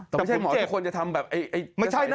แต่ไม่ใช่หมอทุกคนจะทำแบบไอ้กระสายได้